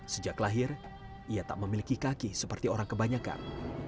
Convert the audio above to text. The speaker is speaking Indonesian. sejak lahir ia tak memiliki kaki seperti orang kebanyakan